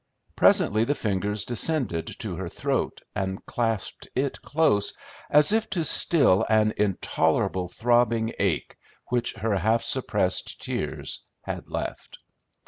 Presently the fingers descended to her throat and clasped it close, as if to still an intolerable throbbing ache which her half suppressed tears had left.